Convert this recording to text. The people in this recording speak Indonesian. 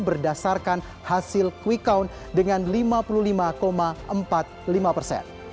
berdasarkan hasil quick count dengan lima puluh lima empat puluh lima persen